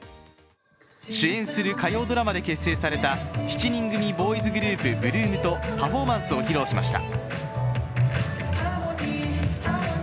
主演する火曜ドラマで結成された７人組ボーイズグループ８ＬＯＯＭとパフォーマンスを披露しました。